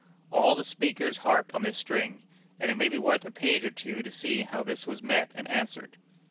All the speakers harped on this string; and it may be worth a page or two to see how this was met and answered.